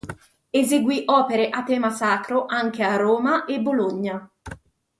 Eseguì opere a tema sacro anche a Roma e Bologna.